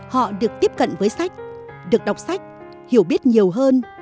họ được tiếp cận với sách được đọc sách hiểu biết nhiều hơn